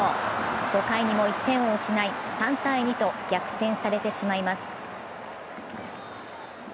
５回にも１点を失い、３−２と逆転されてしまいます。